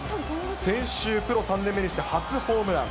先週、プロ３年目にして初ホームラン。